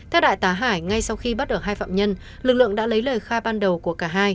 theo đại tá hải ngay sau khi bắt được hai phạm nhân lực lượng đã lấy lời khai ban đầu của cả hai